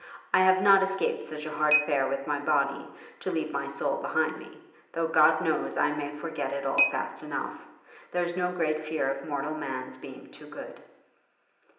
I have not escaped from such hard fare with my body, to leave my soul behind me; though, God knows, I may forget it all fast enough. There's no great fear of mortal man's being too good.'